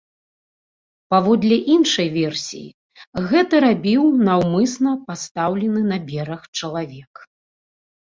Паводле іншай версіі, гэта рабіў наўмысна пастаўлены на бераг чалавек.